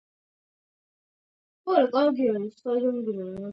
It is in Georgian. მას სახელი ბებიის, შვედეთის დედოფალ რიჩეზა პოლონელის პატივსაცემად დაარქვეს.